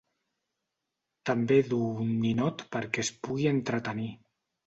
També duu un ninot perquè es pugui entretenir.